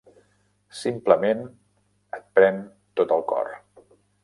Simplement et pren tot el cor.